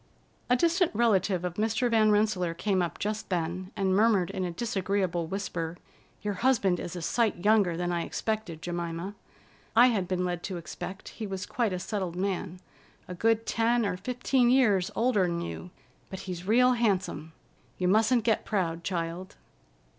A distant relative of Mr. Van Rensselaer came up just then and murmured in a disagreeable whisper: "Your husband is a sight younger than I expected, Jemima! I had been led to expect he was quite a settled man, a good ten or fifteen years older'n you, but he's real handsome. You mustn't get proud, child."